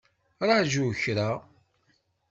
Ṛaju kra!